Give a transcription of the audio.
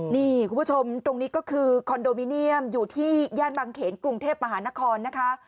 นี่คุณผู้ชมตรงนี้ก็คือคอนโดมิเนียมอยู่ที่ย่านบางเขนกรุงเทพมหานครนะคะ